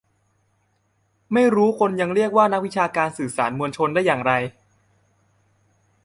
ไม่รู่คนยังเรียกว่า "นักวิชาการสื่อสารมวลชน" ได้อย่างไร